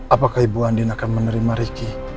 apakah ibu andin akan menerima ricky